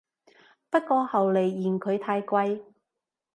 不過後來嫌佢太貴